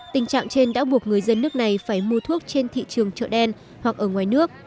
tình trạng trên đã buộc người dân nước này phải mua thuốc trên thị trường chợ đen hoặc ở ngoài nước